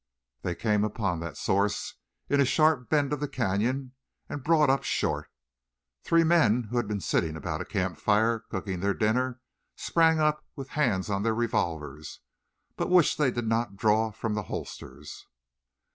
They came upon that source in a sharp bend of the canyon and brought up short. Three men who had been sitting about a campfire cooking their dinner sprang up with hands on their revolvers, but which they did not draw from the holsters.